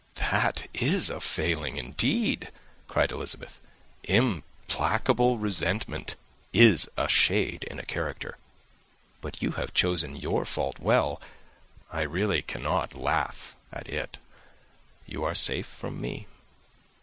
"That is a failing, indeed!" cried Elizabeth. "Implacable resentment is a shade in a character. But you have chosen your fault well. I really cannot laugh at it. You are safe from me."